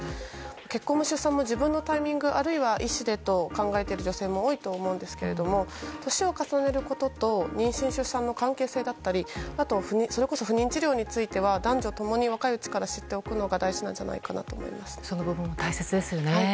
結婚も出産も自分のタイミング医師でと考える人も多いと思いますが年を重ねることと妊娠・出産の関係性だったり不妊治療については男女共に若いうちから知っておくのが大事なんじゃないかと思います。